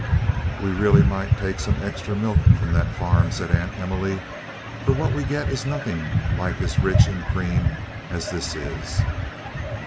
"We really might take some extra milk from that farm," said Aunt Emily, "for what we get is nothing like as rich in cream as this is."